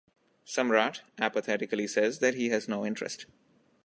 Samrat apathetically says that he has no interest.